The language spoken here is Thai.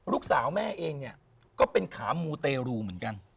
ลูกสาวแม่เองเนี่ยก็เป็นขามูเตรูเหมือนกัน